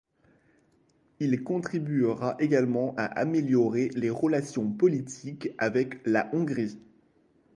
Il contribuera également à améliorer les relations politiques avec la Hongrie.